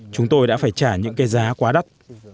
chúng tôi đã phải trả những cái giá quá đắt